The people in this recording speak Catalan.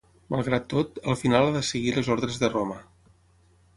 Malgrat tot, al final ha de seguir les ordres de Roma.